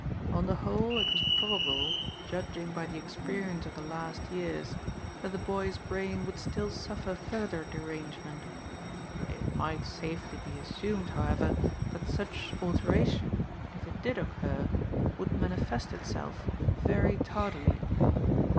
On the whole, it was probable, judging by the experience of the last years, that the boy's brain would still suffer further derangement It might safely be assumed, however, that such alteration, if it did occur, would manifest itself very tardily.